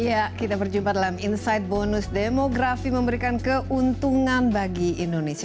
ya kita berjumpa dalam insight bonus demografi memberikan keuntungan bagi indonesia